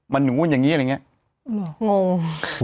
มันอย่างงี้อะไรอย่างงี้